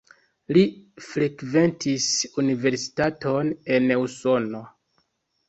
Li frekventis universitaton en Usono.